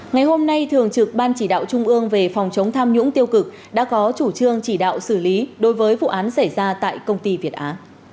ngày hôm nay thường trực ban chỉ đạo trung ương về phòng chống tham nhũng tiêu cực đã có chủ trương chỉ đạo xử lý đối với vụ án xảy ra tại công ty việt á